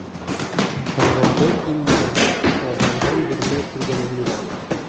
Хәйҙәрҙе һин минән тартып алғандан бирле күргәнем юҡ.